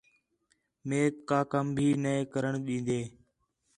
میک کا کَم بھی نَے کرݨ ݙین٘دی